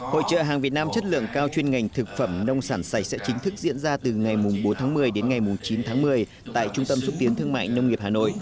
hội trợ hàng việt nam chất lượng cao chuyên ngành thực phẩm nông sản sạch sẽ chính thức diễn ra từ ngày bốn tháng một mươi đến ngày chín tháng một mươi tại trung tâm xúc tiến thương mại nông nghiệp hà nội